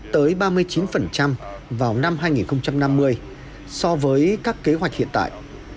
tới ba mươi chín vào năm hai nghìn năm mươi so với các kế hoạch hiện tại